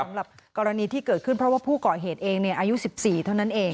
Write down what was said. สำหรับกรณีที่เกิดขึ้นเพราะว่าผู้ก่อเหตุเองอายุ๑๔เท่านั้นเอง